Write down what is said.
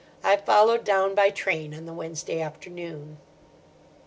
I followed down by train on the Wednesday afternoon.